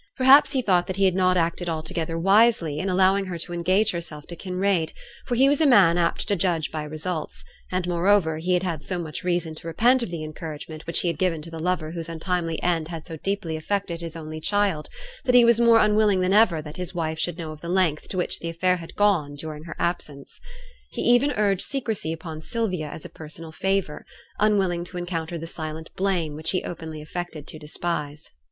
Perhaps he thought that he had not acted altogether wisely in allowing her to engage herself to Kinraid, for he was a man apt to judge by results; and moreover he had had so much reason to repent of the encouragement which he had given to the lover whose untimely end had so deeply affected his only child, that he was more unwilling than ever that his wife should know of the length to which the affair had gone during her absence. He even urged secrecy upon Sylvia as a personal favour; unwilling to encounter the silent blame which he openly affected to despise.